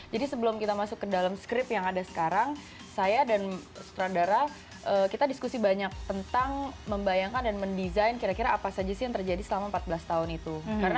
jadi sebelum kita masuk ke dalam script yang ada sekarang saya dan sutradara kita diskusi banyak tentang membayangkan dan mendesain kira kira apa saja sih yang terjadi selama empat belas tahun itu